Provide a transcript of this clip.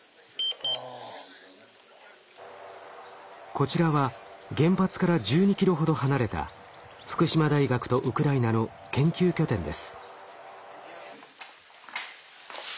こちらは原発から１２ｋｍほど離れた福島大学とウクライナの研究拠点です。